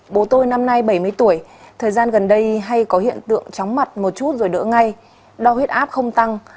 bố tôi năm nay bảy mươi tuổi thời gian gần đây hay có hiện tượng chóng mặt một chút rồi đỡ ngay đo huyết áp không tăng